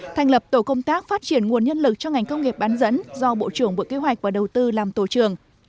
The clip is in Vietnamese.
thành lập tổ công tác phát triển nguồn nhân lực cho ngành công nghiệp bán dẫn do bộ trưởng bộ kế hoạch và đầu tư làm tổ trường